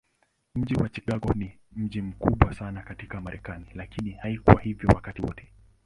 Mji wa Chicago ni mji mkubwa sana katika Marekani, lakini haikuwa hivyo wakati wote.